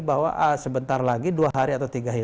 bahwa sebentar lagi dua hari atau tiga hari